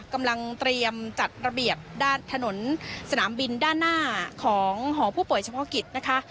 กำลังเตรียมจัดระเบียบด้านถนนสนามบินด้านหน้าของหอผู้ป่วยเฉพาะกิจนะคะ